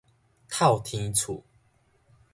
透天厝